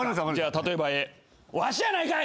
例えばえ「わしやないかい！」